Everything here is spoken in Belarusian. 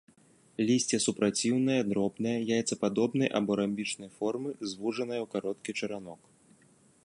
Лісце супраціўнае, дробнае, яйцападобнай або рамбічнай формы, звужанае ў кароткі чаранок.